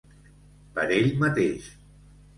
Per ell mateix.